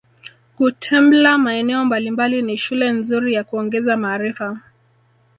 Kutembla maeneo mbalimbali ni shule nzuri ya kuongeza maarifa